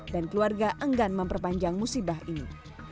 dan keluarga enggan memperpanjang musibah ini